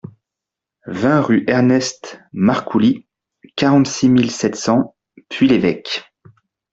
vingt rue Ernest Marcouly, quarante-six mille sept cents Puy-l'Évêque